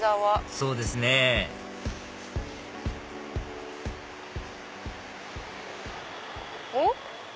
そうですねおっ？